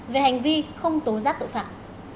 về hành vi không tố giác tội phạm